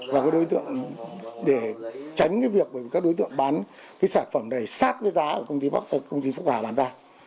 và có đối tượng để tránh cái việc của các đối tượng bán cái sản phẩm này sát với giá của công ty phúc hà bán ra